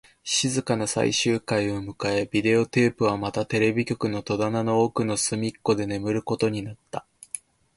静かな最終回を迎え、ビデオテープはまたテレビ局の戸棚の奥の隅っこで眠ることになった